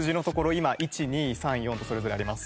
今１２３４とそれぞれあります。